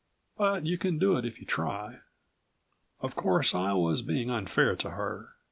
But you can do it if you try. Of course I was being unfair to her.